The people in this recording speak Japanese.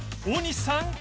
大西さん